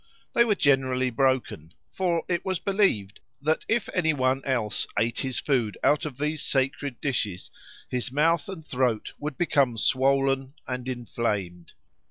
They were generally broken, for it was believed that if any one else ate his food out of these sacred dishes, his mouth and throat would become swollen and inflamed.